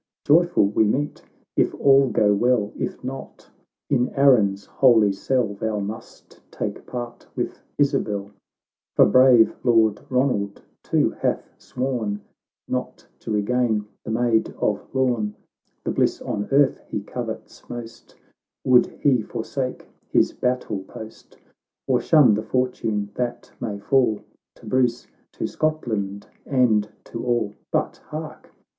— Joyful we meet, if all go well; If not, in Arran's holy cell Thou must take part with Isabel ; For brave Lord Ronald, too, hath sworn Kot to regain the Maid of Lorn, 652 THE LOED OF THE ISLES. [CANTO VI. (The bliss on earth he covets most,) "Would he forsake his battle post, Or shun the fortune that may fall To Bruce, to Scotland, and to all. — But hark